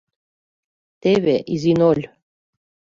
Теве — изи ноль.